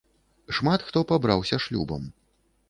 Шмат хто пабраўся шлюбам.